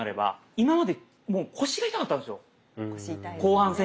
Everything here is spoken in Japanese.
今までもう腰が痛かったんですよ。